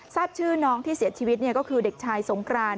ทราบชื่อน้องที่เสียชีวิตก็คือเด็กชายสงกราน